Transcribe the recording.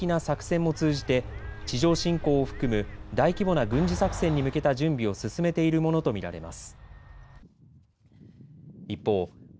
イスラエル軍は住民の退避や限定的な作戦も通じて地上侵攻を含む大規模な軍事作戦に向けた準備を進めているものと見られます。